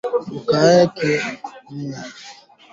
Kalemie iko na milima mingi